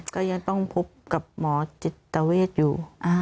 ก็ยังต้องพบกับหมอจิตเวทอยู่